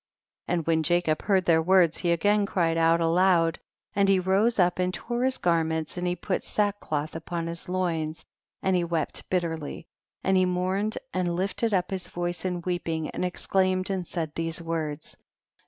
22. And when Jacob heard their words he again cried out aloud and he rose up and tore his garments, and he put sackcloth upon his loins, and he wept bitterly and he mourned and lifted up his voice in weeping and exclaimed and said these words, 23.